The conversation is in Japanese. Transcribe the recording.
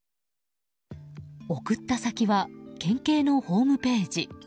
送った先は県警のホームページ。